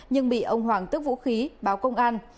nhưng bị ông hoàng tức vũ khí báo công an